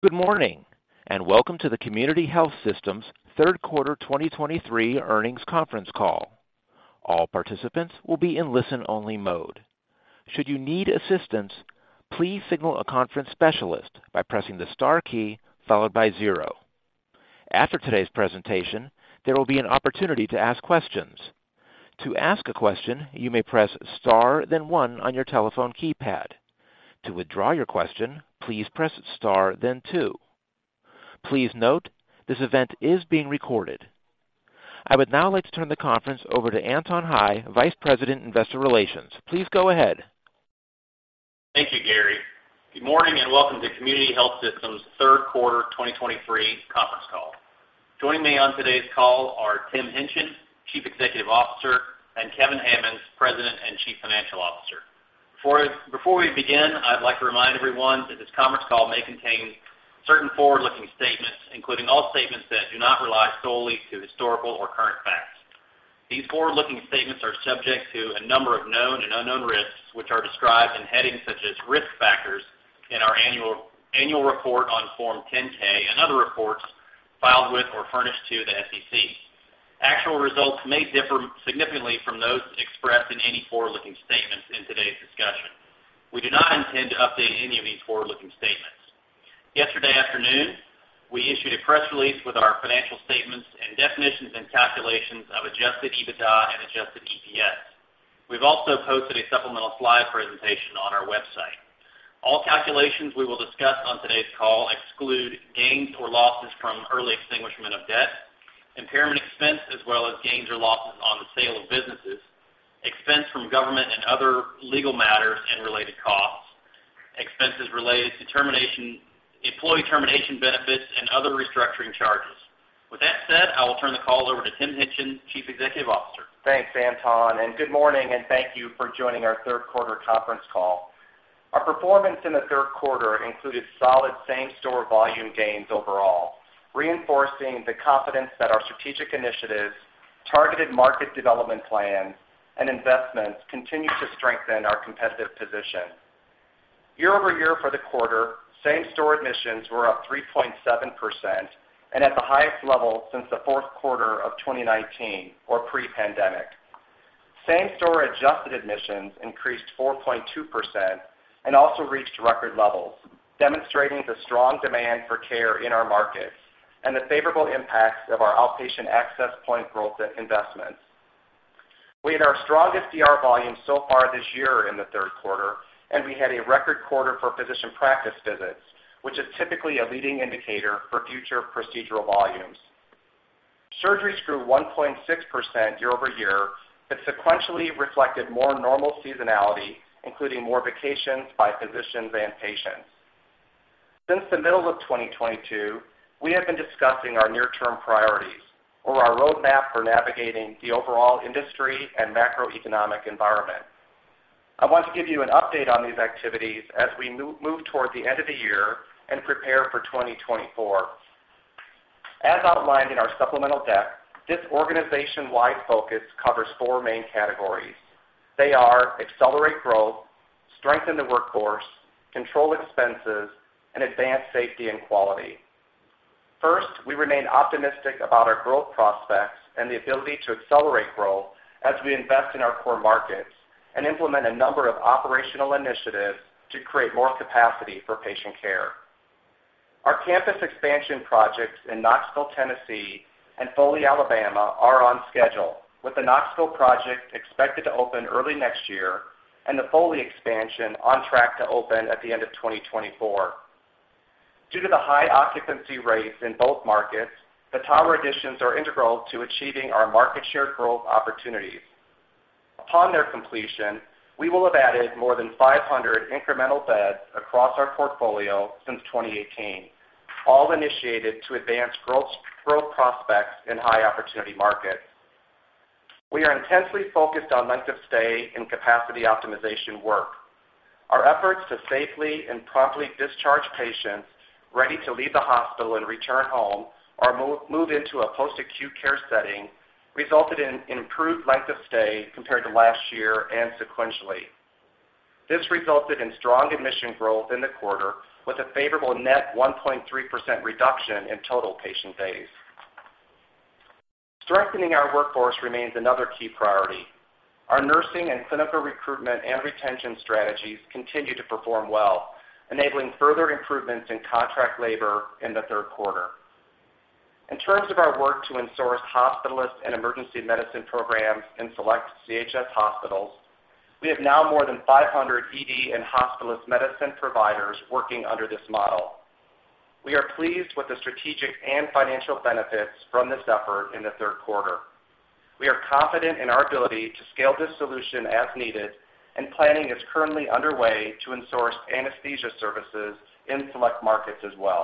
Good morning, and welcome to the Community Health Systems third quarter 2023 earnings conference call. All participants will be in listen-only mode. Should you need assistance, please signal a conference specialist by pressing the Star key followed by zero. After today's presentation, there will be an opportunity to ask questions. To ask a question, you may press Star, then one on your telephone keypad. To withdraw your question, please press Star, then two. Please note, this event is being recorded. I would now like to turn the conference over to Anton Hie, Vice President, Investor Relations. Please go ahead. Thank you, Gary. Good morning, and welcome to Community Health Systems' third quarter 2023 conference call. Joining me on today's call are Tim Hingtgen, Chief Executive Officer, and Kevin Hammons, President and Chief Financial Officer. Before we begin, I'd like to remind everyone that this conference call may contain certain forward-looking statements, including all statements that do not rely solely to historical or current facts. These forward-looking statements are subject to a number of known and unknown risks, which are described in headings such as Risk Factors in our Annual Report on Form 10-K and other reports filed with or furnished to the SEC. Actual results may differ significantly from those expressed in any forward-looking statements in today's discussion. We do not intend to update any of these forward-looking statements. Yesterday afternoon, we issued a press release with our financial statements and definitions and calculations of adjusted EBITDA and adjusted EPS. We've also posted a supplemental slide presentation on our website. All calculations we will discuss on today's call exclude gains or losses from early extinguishment of debt, impairment expense, as well as gains or losses on the sale of businesses, expense from government and other legal matters and related costs, expenses related to termination, employee termination benefits, and other restructuring charges. With that said, I will turn the call over to Tim Hingtgen, Chief Executive Officer. Thanks, Anton, and good morning, and thank you for joining our third quarter conference call. Our performance in the third quarter included solid same-store volume gains overall, reinforcing the confidence that our strategic initiatives, targeted market development plans, and investments continue to strengthen our competitive position. Year-over-year for the quarter, same-store admissions were up 3.7% and at the highest level since the fourth quarter of 2019, or pre-pandemic. Same-store adjusted admissions increased 4.2% and also reached record levels, demonstrating the strong demand for care in our markets and the favorable impacts of our outpatient access point growth investments. We had our strongest ER volume so far this year in the third quarter, and we had a record quarter for physician practice visits, which is typically a leading indicator for future procedural volumes. Surgeries grew 1.6% year-over-year, but sequentially reflected more normal seasonality, including more vacations by physicians and patients. Since the middle of 2022, we have been discussing our near-term priorities or our roadmap for navigating the overall industry and macroeconomic environment. I want to give you an update on these activities as we move toward the end of the year and prepare for 2024. As outlined in our supplemental deck, this organization-wide focus covers four main categories. They are accelerate growth, strengthen the workforce, control expenses, and advance safety and quality. First, we remain optimistic about our growth prospects and the ability to accelerate growth as we invest in our core markets and implement a number of operational initiatives to create more capacity for patient care. Our campus expansion projects in Knoxville, Tennessee, and Foley, Alabama, are on schedule, with the Knoxville project expected to open early next year and the Foley expansion on track to open at the end of 2024. Due to the high occupancy rates in both markets, the tower additions are integral to achieving our market share growth opportunities. Upon their completion, we will have added more than 500 incremental beds across our portfolio since 2018, all initiated to advance growth, growth prospects in high-opportunity markets. We are intensely focused on length of stay and capacity optimization work. Our efforts to safely and promptly discharge patients ready to leave the hospital and return home or move into a post-acute care setting resulted in improved length of stay compared to last year and sequentially. This resulted in strong admission growth in the quarter, with a favorable net 1.3% reduction in total patient days. Strengthening our workforce remains another key priority. Our nursing and clinical recruitment and retention strategies continue to perform well, enabling further improvements in contract labor in the third quarter. In terms of our work to in-source hospitalist and emergency medicine programs in select CHS hospitals, we have now more than 500 ED and hospitalist medicine providers working under this model. We are pleased with the strategic and financial benefits from this effort in the third quarter. We are confident in our ability to scale this solution as needed, and planning is currently underway to in-source anesthesia services in select markets as well.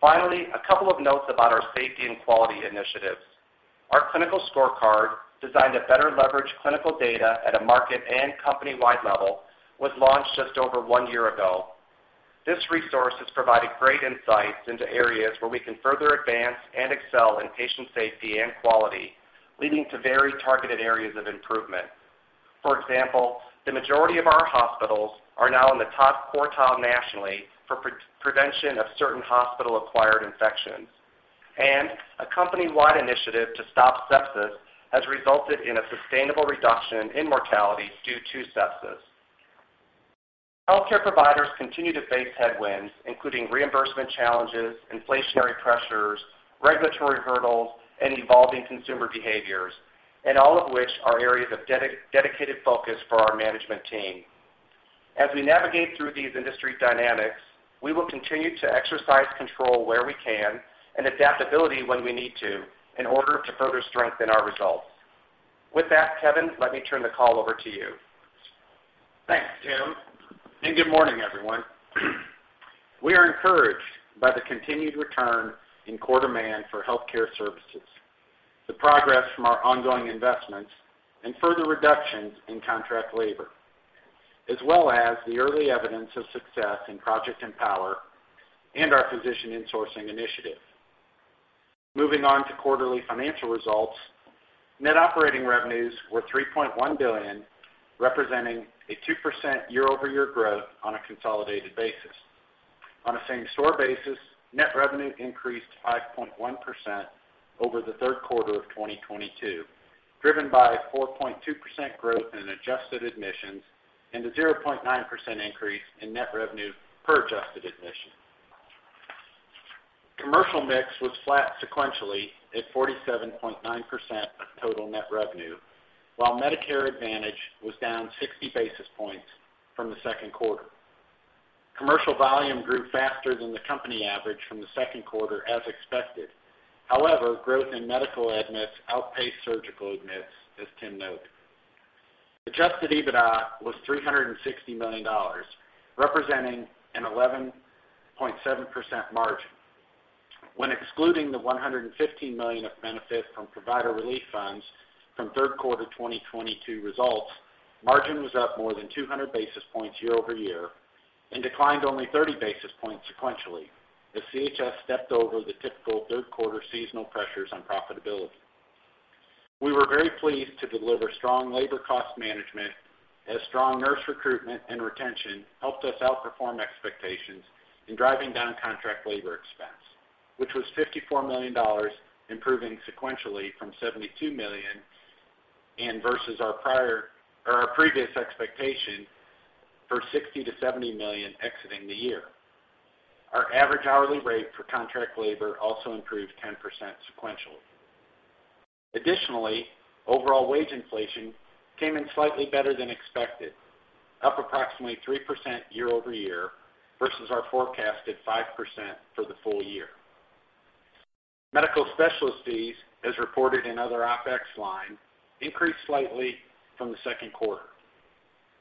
Finally, a couple of notes about our safety and quality initiatives. Our clinical scorecard, designed to better leverage clinical data at a market and company-wide level, was launched just over one year ago. This resource has provided great insights into areas where we can further advance and excel in patient safety and quality, leading to very targeted areas of improvement. For example, the majority of our hospitals are now in the top quartile nationally for prevention of certain hospital-acquired infections, and a company-wide initiative to stop sepsis has resulted in a sustainable reduction in mortality due to sepsis. Healthcare providers continue to face headwinds, including reimbursement challenges, inflationary pressures, regulatory hurdles, and evolving consumer behaviors, all of which are areas of dedicated focus for our management team. As we navigate through these industry dynamics, we will continue to exercise control where we can and adaptability when we need to, in order to further strengthen our results. With that, Kevin, let me turn the call over to you. Thanks, Tim, and good morning, everyone. We are encouraged by the continued return in core demand for healthcare services, the progress from our ongoing investments, and further reductions in contract labor, as well as the early evidence of success in Project Empower and our physician insourcing initiative. Moving on to quarterly financial results, net operating revenues were $3.1 billion, representing a 2% year-over-year growth on a consolidated basis. On a same-store basis, net revenue increased 5.1% over the third quarter of 2022, driven by 4.2% growth in adjusted admissions and a 0.9% increase in net revenue per adjusted admission. Commercial mix was flat sequentially at 47.9% of total net revenue, while Medicare Advantage was down 60 basis points from the second quarter. Commercial volume grew faster than the company average from the second quarter, as expected. However, growth in medical admits outpaced surgical admits, as Tim noted. Adjusted EBITDA was $360 million, representing an 11.7% margin. When excluding the $150 million of benefit from provider relief funds from third quarter 2022 results, margin was up more than 200 basis points year-over-year and declined only 30 basis points sequentially, as CHS stepped over the typical third quarter seasonal pressures on profitability. We were very pleased to deliver strong labor cost management, as strong nurse recruitment and retention helped us outperform expectations in driving down contract labor expense, which was $54 million, improving sequentially from $72 million, and versus our prior or our previous expectation for $60 million-$70 million exiting the year. Our average hourly rate for contract labor also improved 10% sequentially. Additionally, overall wage inflation came in slightly better than expected, up approximately 3% year-over-year versus our forecasted 5% for the full-year. Medical specialist fees, as reported in other OpEx line, increased slightly from the second quarter,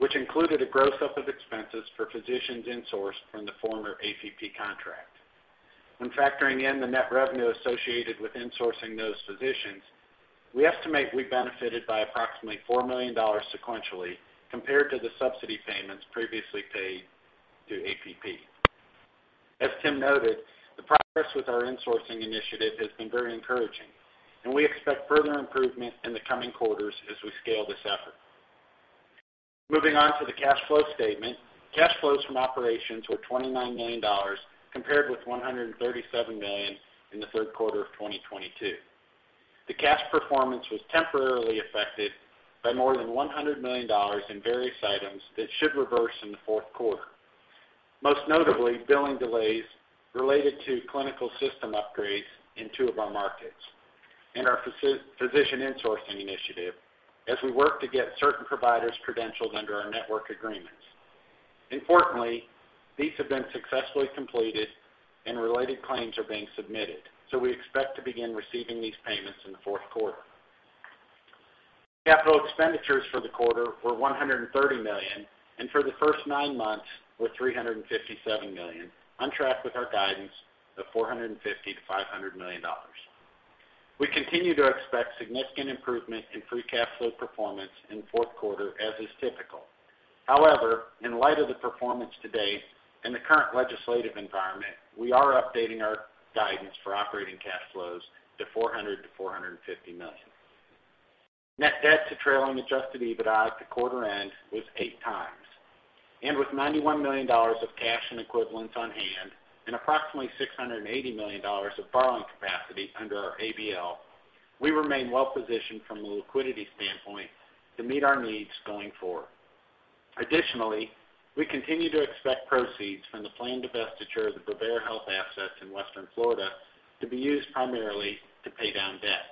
which included a gross up of expenses for physicians insourced from the former APP contract. When factoring in the net revenue associated with insourcing those physicians, we estimate we benefited by approximately $4 million sequentially compared to the subsidy payments previously paid to APP. As Tim noted, the progress with our insourcing initiative has been very encouraging, and we expect further improvement in the coming quarters as we scale this effort. Moving on to the cash flow statement. Cash flows from operations were $29 million, compared with $137 million in the third quarter of 2022. The cash performance was temporarily affected by more than $100 million in various items that should reverse in the fourth quarter. Most notably, billing delays related to clinical system upgrades in two of our markets and our physician insourcing initiative as we work to get certain providers credentialed under our network agreements. Importantly, these have been successfully completed and related claims are being submitted, so we expect to begin receiving these payments in the fourth quarter. Capital expenditures for the quarter were $130 million, and for the first nine months, were $357 million, on track with our guidance of $450 million-$500 million. We continue to expect significant improvement in free cash flow performance in the fourth quarter, as is typical. However, in light of the performance to date and the current legislative environment, we are updating our guidance for operating cash flows to $400 million-$450 million. Net debt to trailing adjusted EBITDA at the quarter end was 8x, and with $91 million of cash and equivalents on hand and approximately $680 million of borrowing capacity under our ABL, we remain well positioned from a liquidity standpoint to meet our needs going forward. Additionally, we continue to expect proceeds from the planned divestiture of the Bravera Health assets in Western Florida to be used primarily to pay down debt.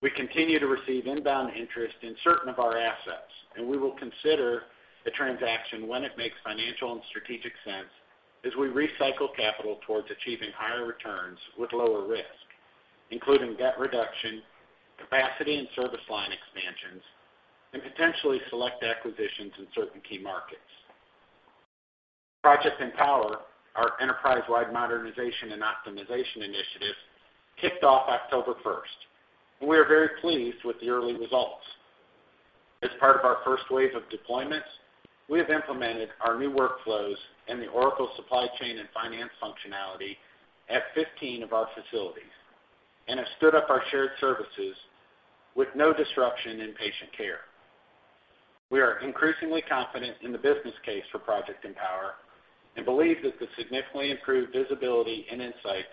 We continue to receive inbound interest in certain of our assets, and we will consider a transaction when it makes financial and strategic sense as we recycle capital towards achieving higher returns with lower risk, including debt reduction, capacity and service line expansions, and potentially select acquisitions in certain key markets. Project Empower, our enterprise-wide modernization and optimization initiative, kicked off October 1, and we are very pleased with the early results. As part of our first wave of deployments, we have implemented our new workflows and the Oracle supply chain and finance functionality at 15 of our facilities... and have stood up our shared services with no disruption in patient care. We are increasingly confident in the business case for Project Empower, and believe that the significantly improved visibility and insight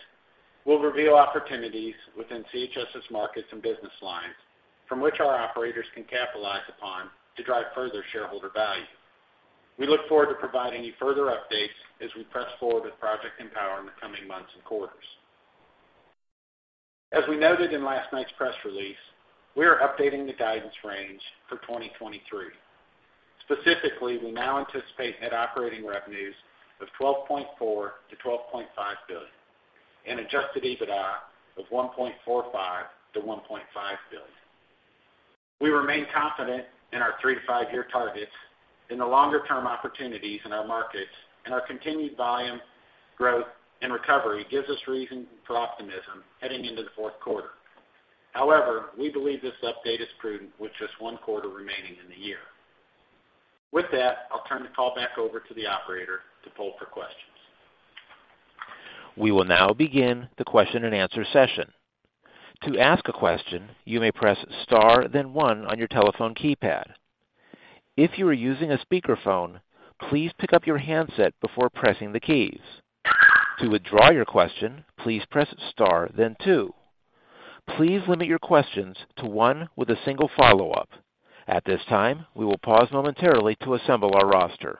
will reveal opportunities within CHS's markets and business lines from which our operators can capitalize upon to drive further shareholder value. We look forward to providing you further updates as we press forward with Project Empower in the coming months and quarters. As we noted in last night's press release, we are updating the guidance range for 2023. Specifically, we now anticipate net operating revenues of $12.4 billion-$12.5 billion, and Adjusted EBITDA of $1.45 billion-$1.5 billion. We remain confident in our 3- to 5-year targets, in the longer-term opportunities in our markets, and our continued volume growth and recovery gives us reason for optimism heading into the fourth quarter. However, we believe this update is prudent with just one quarter remaining in the year. With that, I'll turn the call back over to the operator to poll for questions. We will now begin the question-and-answer session. To ask a question, you may press Star then one on your telephone keypad. If you are using a speakerphone, please pick up your handset before pressing the keys. To withdraw your question, please press Star then two. Please limit your questions to one with a single follow-up. At this time, we will pause momentarily to assemble our roster.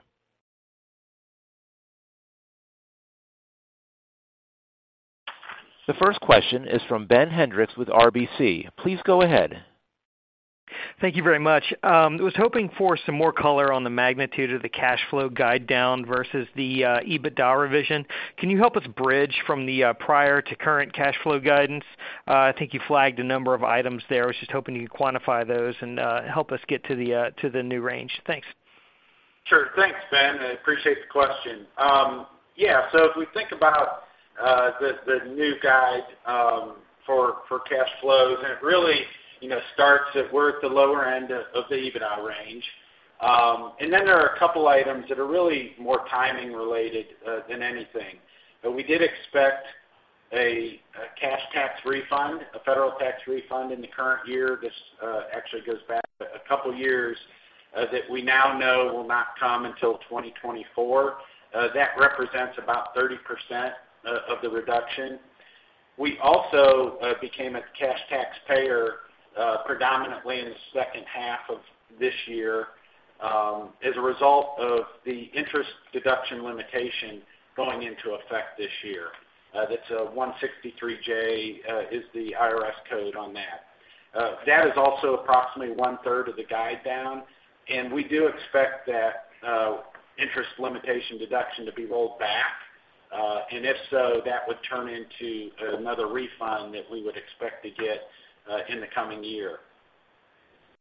The first question is from Ben Hendrix with RBC. Please go ahead. Thank you very much. I was hoping for some more color on the magnitude of the cash flow guide down versus the EBITDA revision. Can you help us bridge from the prior to current cash flow guidance? I think you flagged a number of items there. I was just hoping you could quantify those and help us get to the new range. Thanks. Sure. Thanks, Ben. I appreciate the question. Yeah, if we think about the new guide for cash flows, it really starts at we're at the lower end of the EBITDA range. There are a couple items that are really more timing related than anything. We did expect a cash tax refund, a federal tax refund in the current year. This actually goes back a couple of years that we now know will not come until 2024. That represents about 30% of the reduction. We also became a cash taxpayer predominantly in the second half of this year as a result of the interest deduction limitation going into effect this year. That's 163(j) is the IRS code on that. That is also approximately 1/3 of the guide down, and we do expect that interest limitation deduction to be rolled back. And if so, that would turn into another refund that we would expect to get in the coming year.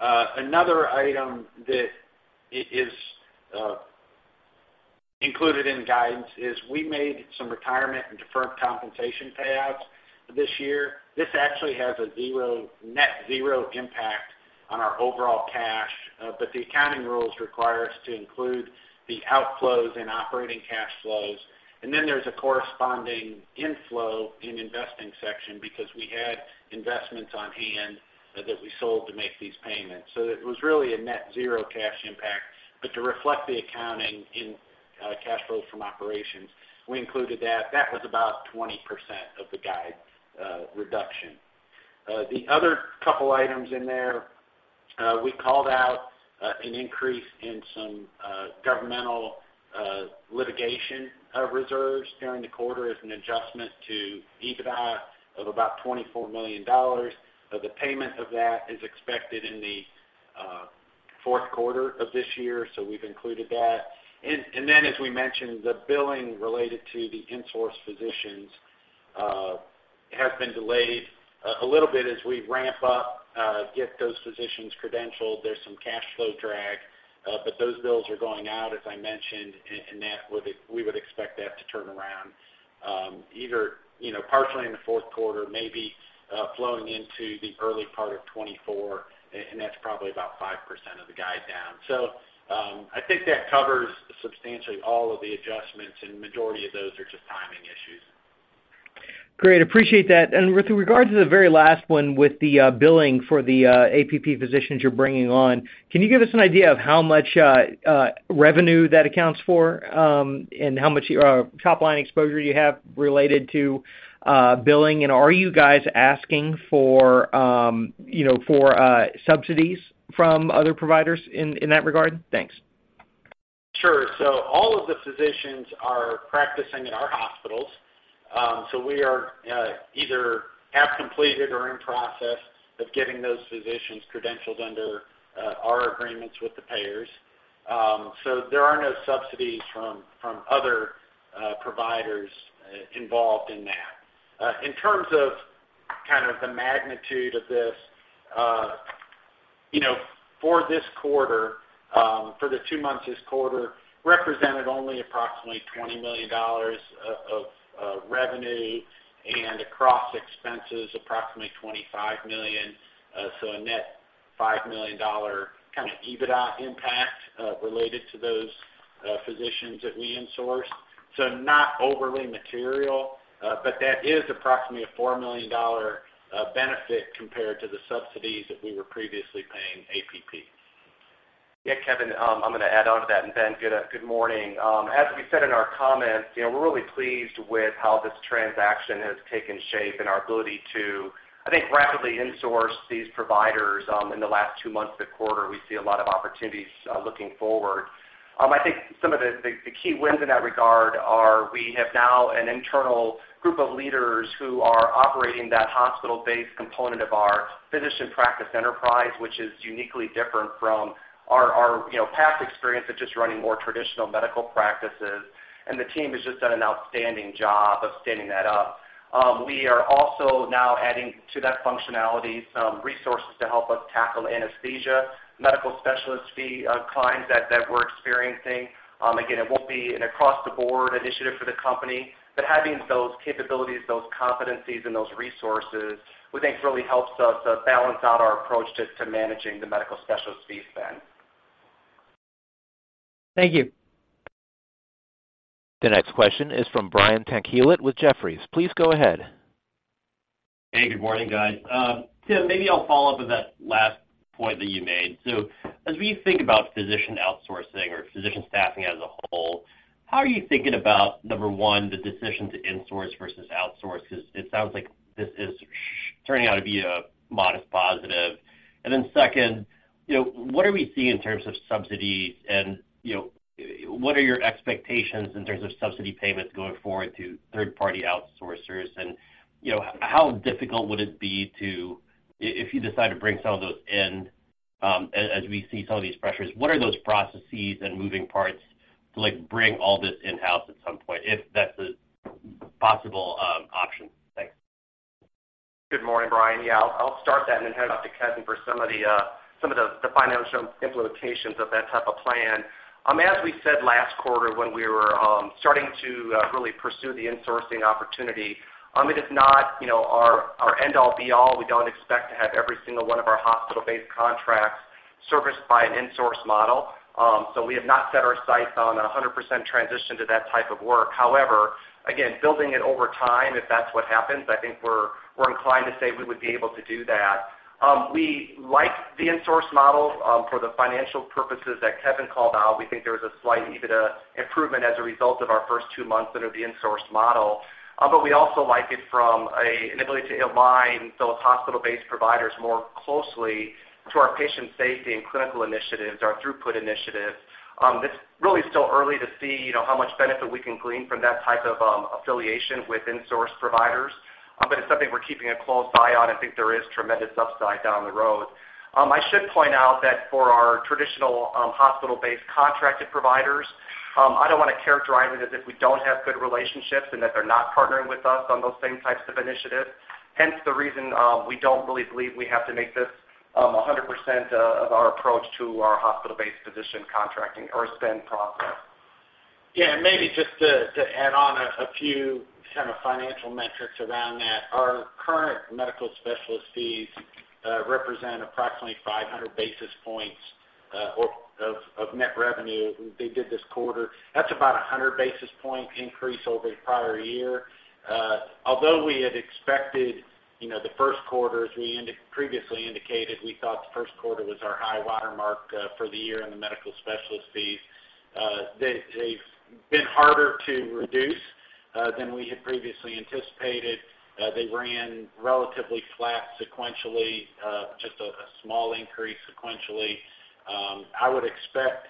Another item that is included in the guidance is we made some retirement and deferred compensation payouts this year. This actually has a net zero impact on our overall cash, but the accounting rules require us to include the outflows in operating cash flows. And then there's a corresponding inflow in investing section because we had investments on hand that we sold to make these payments. So it was really a net zero cash impact. But to reflect the accounting in cash flows from operations, we included that. That was about 20% of the guide reduction. The other couple items in there, we called out an increase in some governmental litigation reserves during the quarter as an adjustment to EBITDA of about $24 million. The payment of that is expected in the fourth quarter of this year, so we've included that. And then, as we mentioned, the billing related to the in-source physicians have been delayed a little bit as we ramp up get those physicians credentialed. There's some cash flow drag, but those bills are going out, as I mentioned, and that would we would expect that to turn around, you know, partially in the fourth quarter, maybe, flowing into the early part of 2024, and that's probably about 5% of the guide down. I think that covers substantially all of the adjustments, and majority of those are just timing issues. Great. Appreciate that. And with regards to the very last one with the billing for the APP physicians you're bringing on, can you give us an idea of how much revenue that accounts for, and how much top line exposure you have related to billing? And are you guys asking for, you know, for subsidies from other providers in that regard? Thanks. Sure. So all of the physicians are practicing at our hospitals. So we are either have completed or in process of getting those physicians credentialed under our agreements with the payers. So there are no subsidies from other providers involved in that. In terms of kind of the magnitude of this, you know, for this quarter, for the two months this quarter, represented only approximately $20 million of revenue, and across expenses, approximately $25 million. So a net $5 million kind of EBITDA impact related to those physicians that we insourced. So not overly material, but that is approximately a $4 million benefit compared to the subsidies that we were previously paying APP. Yeah, Kevin, I'm gonna add on to that. Ben, good, good morning. As we said in our comments, you know, we're really pleased with how this transaction has taken shape and our ability to, I think, rapidly insource these providers in the last two months of the quarter. We see a lot of opportunities, looking forward. I think some of the key wins in that regard are we have now an internal group of leaders who are operating that hospital-based component of our Physician Practice Enterprise, which is uniquely different from our, you know, past experience of just running more traditional medical practices, and the team has just done an outstanding job of standing that up. We are also now adding to that functionality, some resources to help us tackle anesthesia, medical specialist fee clients that we're experiencing. Again, it won't be an across-the-board initiative for the company, but having those capabilities, those competencies, and those resources, we think really helps us balance out our approach to managing the medical specialist fee spend. Thank you. The next question is from Brian Tanquilut with Jefferies. Please go ahead. Hey, good morning, guys. Tim, maybe I'll follow up with that last point that you made. So as we think about physician outsourcing or physician staffing as a whole, how are you thinking about, number one, the decision to insource versus outsource? Because it sounds like this is turning out to be a modest positive. And then second, you know, what are we seeing in terms of subsidies and, you know, what are your expectations in terms of subsidy payments going forward to third-party outsourcers? And, you know, how difficult would it be to, if you decide to bring some of those in, as we see some of these pressures, what are those processes and moving parts to, like, bring all this in-house at some point, if that's a possible option? Thanks. Good morning, Brian. Yeah, I'll start that and then hand off to Kevin for some of the financial implications of that type of plan. As we said last quarter, when we were starting to really pursue the insourcing opportunity, it is not, you know, our end all be all. We don't expect to have every single one of our hospital-based contracts serviced by an insourced model. So we have not set our sights on a 100% transition to that type of work. However, again, building it over time, if that's what happens, I think we're inclined to say we would be able to do that. We like the insource model for the financial purposes that Kevin called out. We think there is a slight EBITDA improvement as a result of our first two months under the insourced model. But we also like it from an ability to align those hospital-based providers more closely to our patient safety and clinical initiatives, our throughput initiatives. It's really still early to see, you know, how much benefit we can glean from that type of affiliation with insourced providers, but it's something we're keeping a close eye on. I think there is tremendous upside down the road. I should point out that for our traditional, hospital-based contracted providers, I don't wanna characterize it as if we don't have good relationships and that they're not partnering with us on those same types of initiatives, hence the reason, we don't really believe we have to make this, 100%, of our approach to our hospital-based physician contracting or spend process. Yeah, maybe just to add on a few kind of financial metrics around that. Our current medical specialist fees represent approximately 500 basis points of net revenue. They did this quarter. That's about a 100 basis point increase over the prior year. Although we had expected, you know, the first quarter, as we previously indicated, we thought the first quarter was our high water mark for the year in the medical specialist fees, they've been harder to reduce than we had previously anticipated. They ran relatively flat sequentially, just a small increase sequentially. I would expect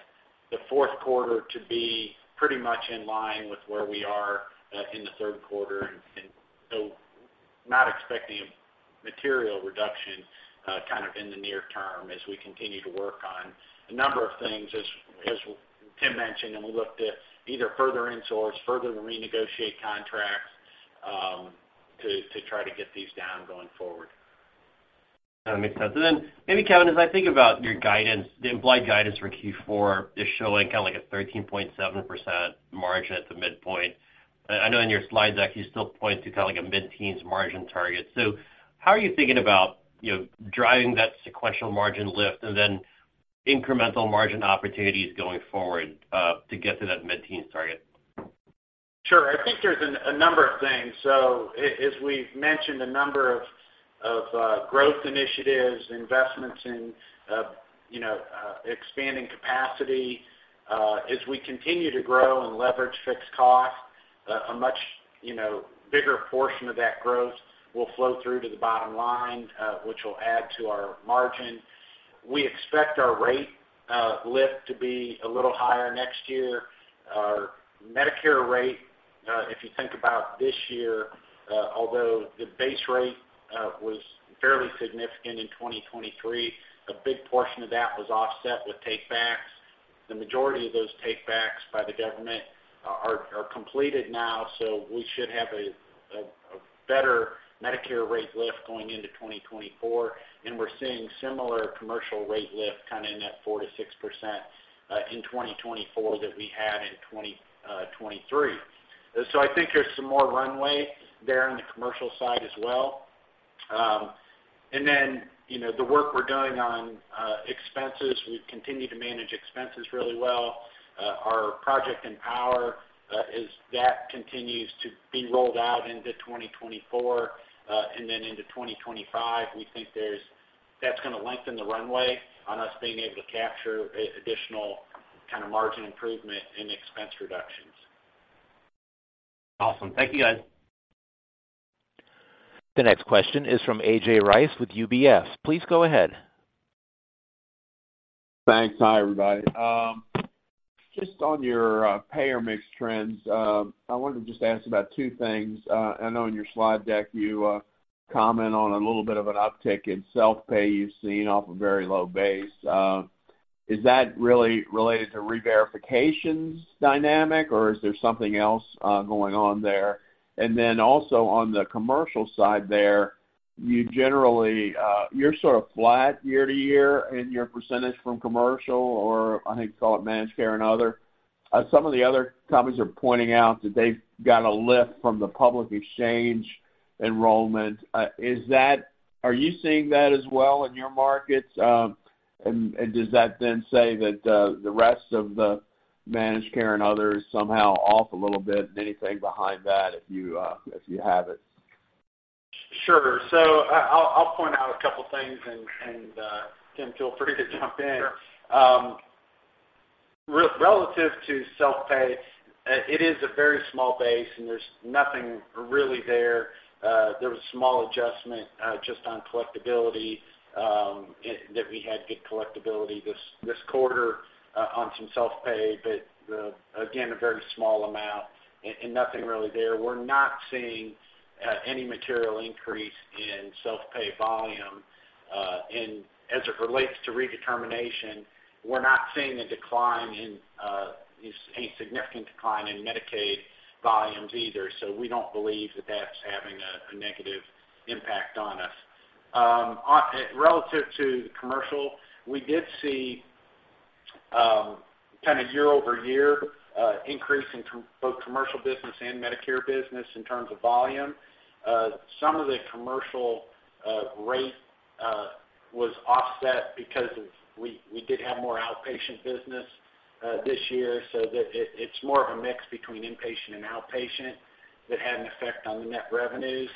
the fourth quarter to be pretty much in line with where we are in the third quarter, and so not expecting a material reduction, kind of in the near-term as we continue to work on a number of things, as Tim mentioned, and we looked at either further insource, further to renegotiate contracts, to try to get these down going forward. That makes sense. And then maybe, Kevin, as I think about your guidance, the implied guidance for Q4 is showing kind of like a 13.7% margin at the midpoint. I know in your slides, actually, you still point to kind of like a mid-teens margin target. So how are you thinking about, you know, driving that sequential margin lift and then incremental margin opportunities going forward, to get to that mid-teen target? Sure. I think there's a number of things. So as we've mentioned, a number of growth initiatives, investments in, you know, expanding capacity. As we continue to grow and leverage fixed costs, a much, you know, bigger portion of that growth will flow through to the bottom line, which will add to our margin. We expect our rate lift to be a little higher next year. Our Medicare rate, if you think about this year, although the base rate was fairly significant in 2023, a big portion of that was offset with takebacks. The majority of those takebacks by the government are completed now, so we should have a better Medicare rate lift going into 2024, and we're seeing similar commercial rate lift, kind of in that 4%-6% in 2024 that we had in 2023. So I think there's some more runway there on the commercial side as well. And then, you know, the work we're doing on expenses, we've continued to manage expenses really well. Our Project Empower, as that continues to be rolled out into 2024, and then into 2025, we think that's gonna lengthen the runway on us being able to capture a additional kind of margin improvement and expense reductions. Awesome. Thank you, guys. The next question is from A.J. Rice with UBS. Please go ahead. Thanks. Hi, everybody. Just on your payer mix trends, I wanted to just ask about two things. I know in your slide deck, you comment on a little bit of an uptick in self-pay you've seen off a very low base. Is that really related to reverifications dynamic, or is there something else going on there? Also on the commercial side there, you generally, you're sort of flat year to year in your percentage from commercial, or I think you call it managed care and other. Some of the other companies are pointing out that they've got a lift from the public exchange enrollment. Is that-- are you seeing that as well in your markets? Does that then say that the rest of the managed care and others somehow off a little bit, and anything behind that, if you have it? Sure. So I'll point out a couple things, and Tim, feel free to jump in. Sure. Relative to self-pay, it is a very small base, and there's nothing really there. There was a small adjustment just on collectibility, and that we had good collectibility this quarter on some self-pay, but again, a very small amount and nothing really there. We're not seeing any material increase in self-pay volume. And as it relates to redetermination, we're not seeing a significant decline in Medicaid volumes either, so we don't believe that that's having a negative impact on us. Relative to the commercial, we did see kind of year-over-year increase in both Commercial business and Medicare business in terms of volume. Some of the commercial rate was offset because we did have more outpatient business this year, so that it's more of a mix between inpatient and outpatient that had an effect on the net revenues.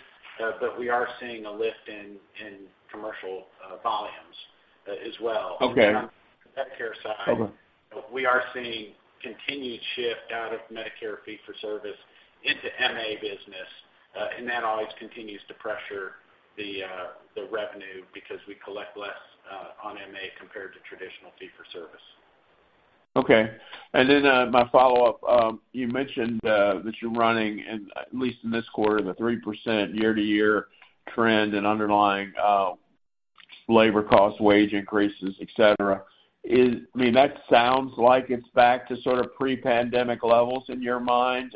But we are seeing a lift in commercial volumes as well. Okay. On the Medicare side- Okay We are seeing continued shift out of Medicare fee for service into MA business, and that always continues to pressure the revenue because we collect less on MA compared to traditional fee for service. Okay. And then, my follow-up, you mentioned that you're running, and at least in this quarter, the 3% year-to-year trend in underlying labor costs, wage increases, et cetera. I mean, that sounds like it's back to sort of pre-pandemic levels in your mind.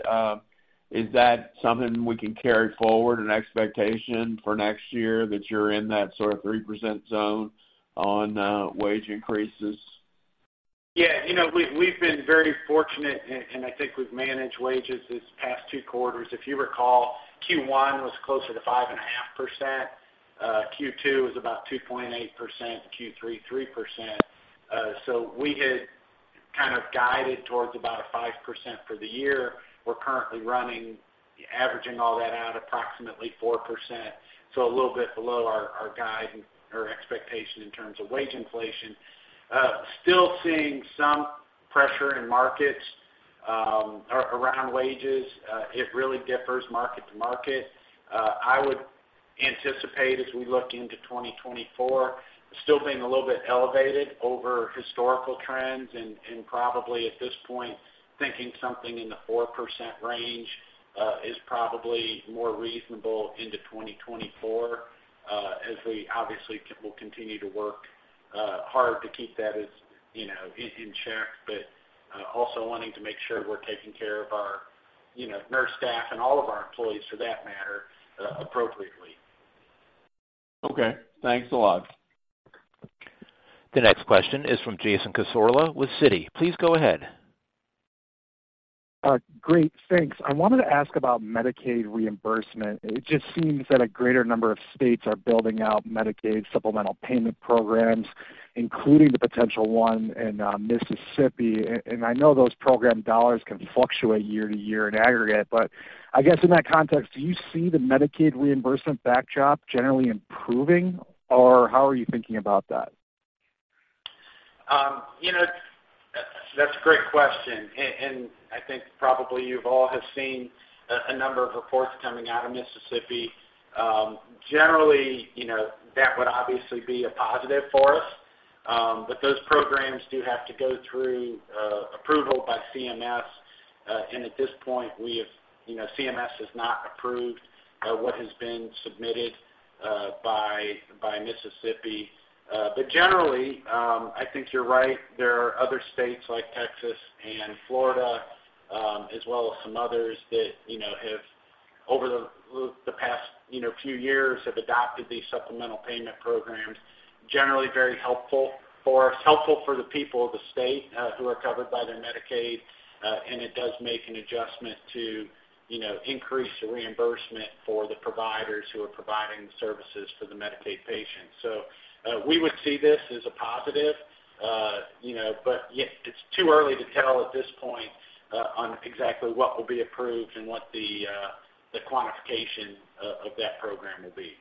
Is that something we can carry forward, an expectation for next year, that you're in that sort of 3% zone on wage increases? Yeah, you know, we've, we've been very fortunate, and, and I think we've managed wages these past two quarters. If you recall, Q1 was closer to 5.5%. Q2 was about 2.8%, Q3, 3%. So we had kind of guided towards about a 5% for the year. We're currently running, averaging all that out, approximately 4%, so a little bit below our, our guide and, or expectation in terms of wage inflation. Still seeing some pressure in markets around wages. It really differs market to market. I would anticipate, as we look into 2024, still being a little bit elevated over historical trends, and, and probably, at this point, thinking something in the 4% range, is probably more reasonable into 2024, as we obviously will continue to work hard to keep that as, you know, in, in check, but, also wanting to make sure we're taking care of our, you know, nurse staff and all of our employees, for that matter, appropriately. Okay. Thanks a lot. The next question is from Jason Cassorla with Citi. Please go ahead. Great. Thanks. I wanted to ask about Medicaid reimbursement. It just seems that a greater number of states are building out Medicaid supplemental payment programs, including the potential one in Mississippi. And I know those program dollars can fluctuate year-to-year in aggregate, but I guess in that context, do you see the Medicaid reimbursement backdrop generally improving, or how are you thinking about that? You know, that's a great question, and I think probably you've all have seen a number of reports coming out of Mississippi. Generally, you know, that would obviously be a positive for us, but those programs do have to go through approval by CMS. And at this point, we have, you know, CMS has not approved what has been submitted by Mississippi. But generally, I think you're right. There are other states like Texas and Florida, as well as some others that, you know, have over the past, you know, few years, have adopted these supplemental payment programs. Generally, very helpful for us, helpful for the people of the state, who are covered by their Medicaid, and it does make an adjustment to You know, increase the reimbursement for the providers who are providing services for the Medicaid patients. So, we would see this as a positive, you know, but yet it's too early to tell at this point, on exactly what will be approved and what the, the quantification of, of that program will be.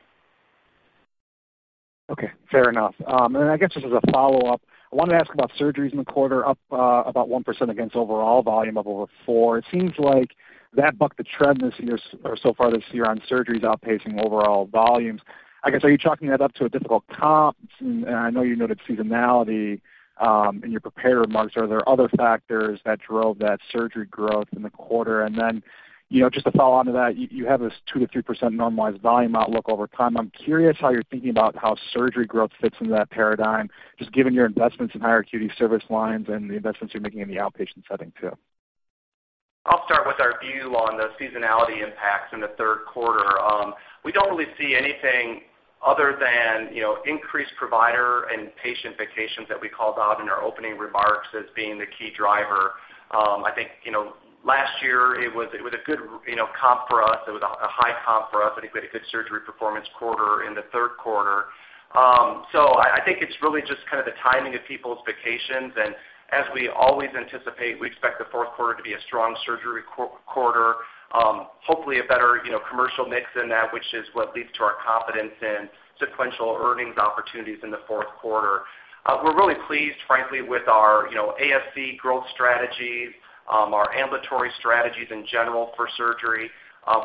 Okay, fair enough. And then I guess just as a follow-up, I wanted to ask about surgeries in the quarter, up about 1% against overall volume of over 4%. It seems like that bucked the trend this year or so far this year on surgeries outpacing overall volumes. I guess, are you chalking that up to a difficult comp? And I know you noted seasonality in your prepared remarks. Are there other factors that drove that surgery growth in the quarter? And then, you know, just to follow on to that, you, you have this 2%-3% normalized volume outlook over time. I'm curious how you're thinking about how surgery growth fits into that paradigm, just given your investments in higher acuity service lines and the investments you're making in the outpatient setting, too. I'll start with our view on the seasonality impacts in the third quarter. We don't really see anything other than, you know, increased provider and patient vacations that we called out in our opening remarks as being the key driver. I think, you know, last year, it was a good, you know, comp for us. It was a high comp for us, but a good surgery performance quarter in the third quarter. So I think it's really just kind of the timing of people's vacations. And as we always anticipate, we expect the fourth quarter to be a strong surgery quarter, hopefully a better, you know, commercial mix in that, which is what leads to our confidence in sequential earnings opportunities in the fourth quarter. We're really pleased, frankly, with our, you know, ASC growth strategies, our ambulatory strategies in general for surgery.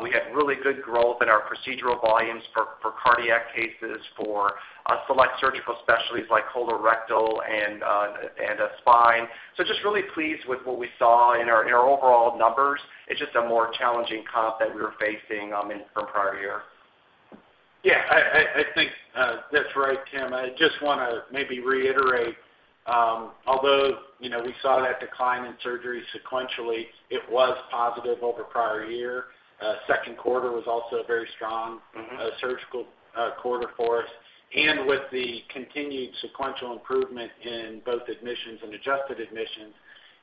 We had really good growth in our procedural volumes for cardiac cases, for select surgical specialties like colorectal and spine. So just really pleased with what we saw in our overall numbers. It's just a more challenging comp that we were facing in from prior year. Yeah, I think that's right, Tim. I just wanna maybe reiterate, although, you know, we saw that decline in surgery sequentially, it was positive over prior year. Second quarter was also a very strong- Surgical quarter for us. And with the continued sequential improvement in both admissions and adjusted admissions,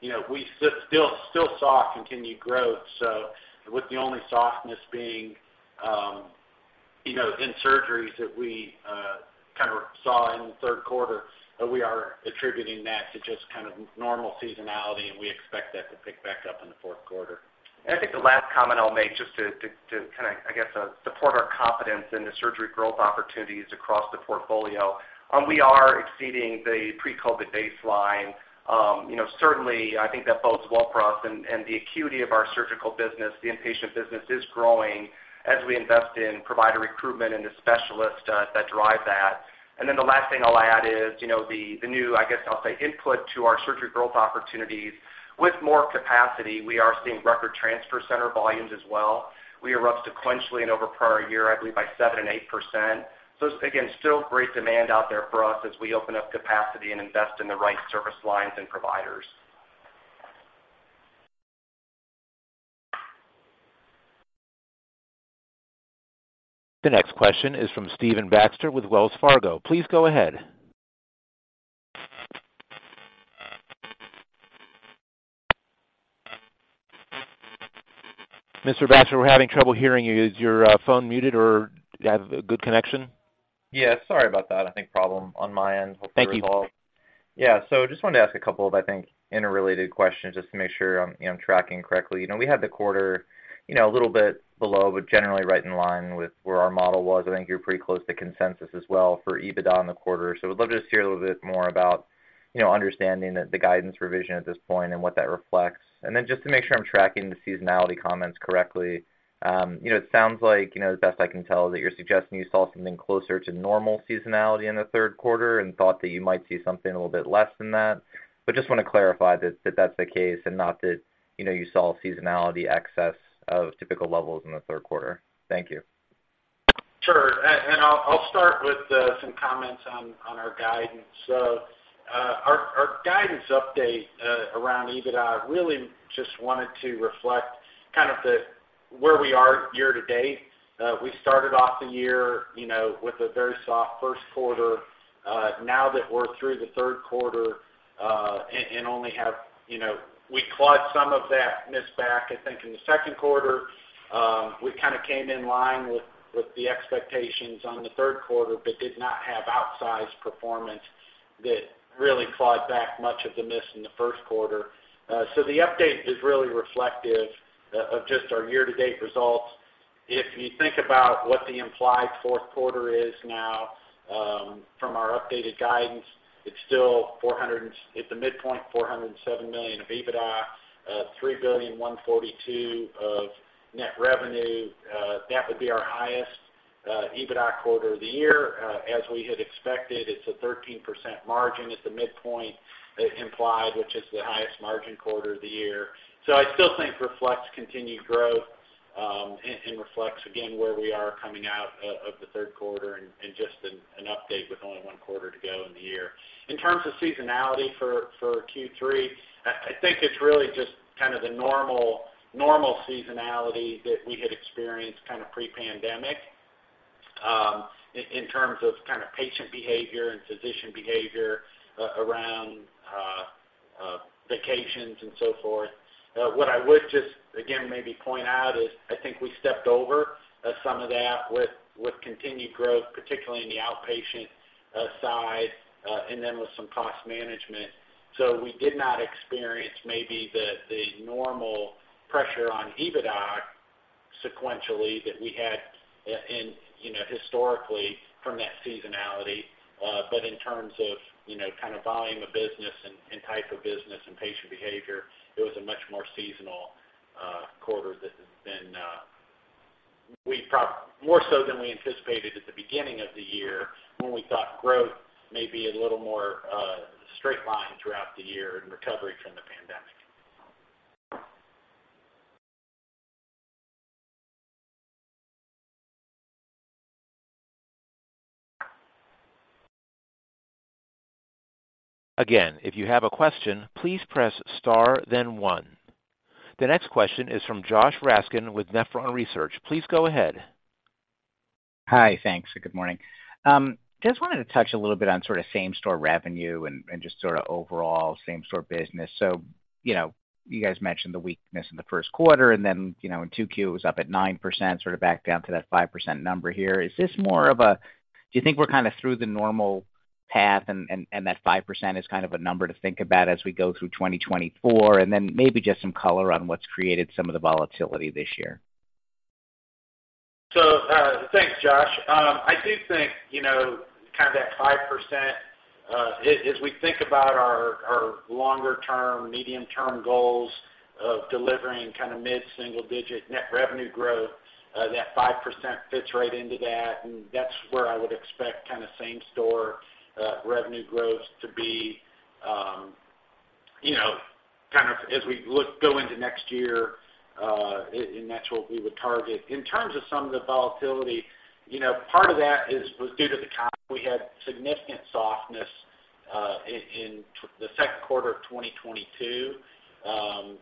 you know, we still saw continued growth. So with the only softness being, you know, in surgeries that we kind of saw in the third quarter, we are attributing that to just kind of normal seasonality, and we expect that to pick back up in the fourth quarter. And I think the last comment I'll make, just to kind of, I guess, support our confidence in the surgery growth opportunities across the portfolio, we are exceeding the pre-COVID baseline. You know, certainly, I think that bodes well for us and the acuity of our Surgical business, the Inpatient business, is growing as we invest in provider recruitment and the specialists that drive that. And then the last thing I'll add is, you know, the new, I guess, I'll say, input to our surgery growth opportunities. With more capacity, we are seeing record transfer center volumes as well. We are up sequentially and over prior year, I believe, by 7% and 8%. So again, still great demand out there for us as we open up capacity and invest in the right service lines and providers. The next question is from Stephen Baxter with Wells Fargo. Please go ahead. Mr. Baxter, we're having trouble hearing you. Is your phone muted, or do you have a good connection? Yeah, sorry about that. I think problem on my end, hopefully resolved. Thank you. Yeah, so just wanted to ask a couple of, I think, interrelated questions just to make sure I'm, you know, tracking correctly. You know, we had the quarter, you know, a little bit below, but generally right in line with where our model was. I think you're pretty close to consensus as well for EBITDA in the quarter. So I would love to just hear a little bit more about, you know, understanding the guidance revision at this point and what that reflects. And then just to make sure I'm tracking the seasonality comments correctly, you know, it sounds like, you know, as best I can tell, that you're suggesting you saw something closer to normal seasonality in the third quarter and thought that you might see something a little bit less than that. But just wanna clarify that, that's the case, and not that, you know, you saw seasonality excess of typical levels in the third quarter. Thank you. Sure. I'll start with some comments on our guidance. Our guidance update around EBITDA really just wanted to reflect kind of where we are year-to-date. We started off the year, you know, with a very soft first quarter. Now that we're through the third quarter, and only have, you know, we clawed some of that miss back, I think, in the second quarter. We kind of came in line with the expectations on the third quarter, but did not have outsized performance that really clawed back much of the miss in the first quarter. The update is really reflective of just our year-to-date results. If you think about what the implied fourth quarter is now from our updated guidance, it's still $407 million of EBITDA at the midpoint, $3,142 million of net revenue. That would be our highest EBITDA quarter of the year. As we had expected, it's a 13% margin at the midpoint implied, which is the highest margin quarter of the year. I still think reflects continued growth, and reflects again, where we are coming out of the third quarter and just an update with only one quarter to go in the year. In terms of seasonality for Q3, I think it's really just kind of the normal, normal seasonality that we had experienced kind of pre-pandemic. In terms of kind of patient behavior and physician behavior around vacations and so forth. What I would just again maybe point out is I think we stepped over some of that with continued growth, particularly in the outpatient side, and then with some cost management. So we did not experience maybe the normal pressure on EBITDA sequentially that we had, and you know, historically from that seasonality. But in terms of you know, kind of volume of business and type of business and patient behavior, it was a much more seasonal quarter than has been, probably more so than we anticipated at the beginning of the year, when we thought growth may be a little more straight line throughout the year in recovery from the pandemic. Again, if you have a question, please press star, then one. The next question is from Josh Raskin with Nephron Research. Please go ahead. Hi. Thanks. Good morning. Just wanted to touch a little bit on sort of same-store revenue and, and just sort of overall same-store business. So, you know, you guys mentioned the weakness in the first quarter, and then, you know, in 2Q, it was up at 9%, sort of back down to that 5% number here. Is this more of a-- do you think we're kind of through the normal path, and, and that 5% is kind of a number to think about as we go through 2024? And then maybe just some color on what's created some of the volatility this year. So, thanks, Josh. I do think, you know, kind of that 5%, as we think about our longer-term, medium-term goals of delivering kind of mid-single-digit net revenue growth, that 5% fits right into that, and that's where I would expect kind of Same-Store revenue growth to be, you know, kind of as we go into next year, and that's what we would target. In terms of some of the volatility, you know, part of that is, was due to the comp. We had significant softness in the second quarter of 2022,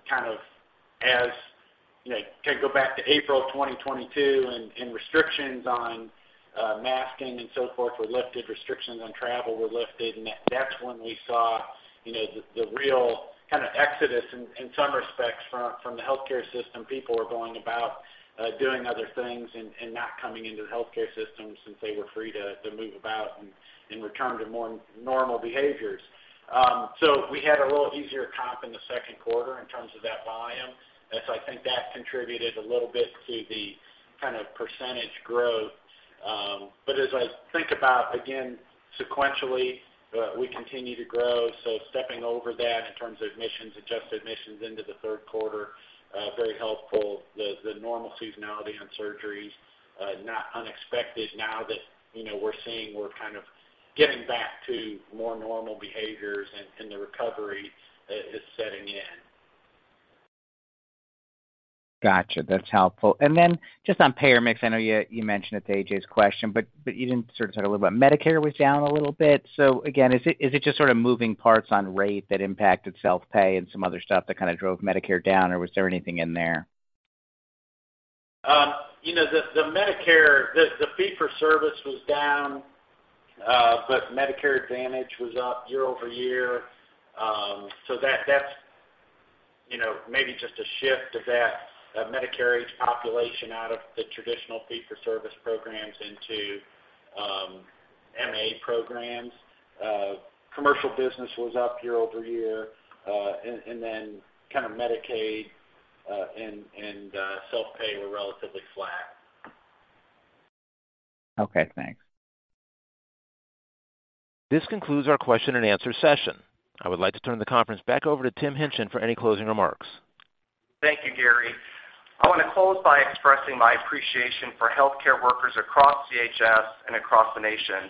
kind of as, you know, kind of go back to April of 2022, and restrictions on masking and so forth were lifted, restrictions on travel were lifted, and that's when we saw, you know, the real kind of exodus in some respects from the healthcare system. People were going about doing other things and not coming into the healthcare system since they were free to move about and return to more normal behaviors. So we had a little easier comp in the second quarter in terms of that volume. And so I think that contributed a little bit to the kind of percentage growth. But as I think about, again, sequentially, we continue to grow, so stepping over that in terms of admissions, adjusted admissions into the third quarter, very helpful. The normal seasonality on surgeries, not unexpected now that, you know, we're seeing we're kind of getting back to more normal behaviors, and the recovery is setting in. Gotcha. That's helpful. Then just on payer mix, I know you mentioned it to A.J.'s question, but you didn't sort of talk a little about. Medicare was down a little bit. So again, is it just sort of moving parts on rate that impacted self-pay and some other stuff that kind of drove Medicare down, or was there anything in there? You know, the Medicare fee-for-service was down, but Medicare Advantage was up year-over-year. So that's, you know, maybe just a shift of that Medicare-age population out of the traditional fee-for-service programs into MA programs. Commercial business was up year-over-year, and then kind of Medicaid and self-pay were relatively flat. Okay, thanks. This concludes our question-and-answer session. I would like to turn the conference back over to Tim Hingtgen for any closing remarks. Thank you, Gary. I want to close by expressing my appreciation for healthcare workers across CHS and across the nation.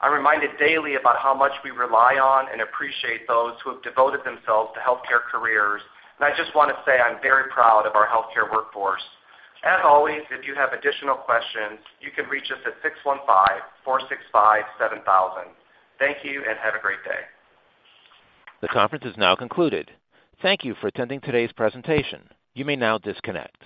I'm reminded daily about how much we rely on and appreciate those who have devoted themselves to healthcare careers, and I just want to say I'm very proud of our healthcare workforce. As always, if you have additional questions, you can reach us at 615-465-7000. Thank you, and have a great day. The conference is now concluded. Thank you for attending today's presentation. You may now disconnect.